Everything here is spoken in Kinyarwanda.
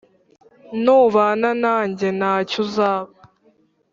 Nubana nanjye nta cyo uzaba. .